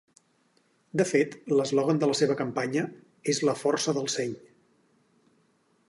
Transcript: De fet, l’eslògan de la seva campanya és “la força del seny”.